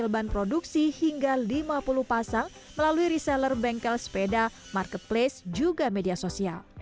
ban produksi hingga lima puluh pasang melalui reseller bengkel sepeda marketplace juga media sosial